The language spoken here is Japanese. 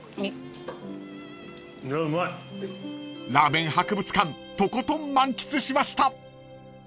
［ラーメン博物館とことん満喫しました］